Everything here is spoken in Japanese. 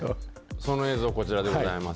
その映像こちらでございます。